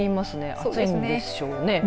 暑いんでしょうね。